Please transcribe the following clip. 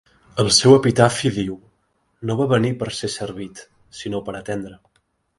El seu epitafi diu: "No va venir per ser servit, sinó per atendre.